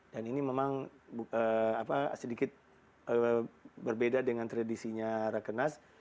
dan ini memang sedikit berbeda dengan tradisinya rakernas